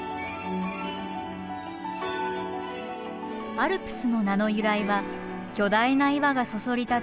アルプスの名の由来は巨大な岩がそそり立つその山容。